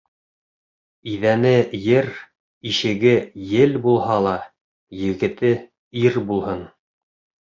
Иҙәне ер, ишеге ел булһа ла, егете ир булһын.